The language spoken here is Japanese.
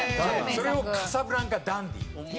それを『カサブランカ・ダンディ』。